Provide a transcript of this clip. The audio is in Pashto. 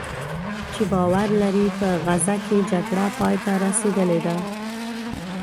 چې باور لري "په غزه کې جګړه پایته رسېدلې ده"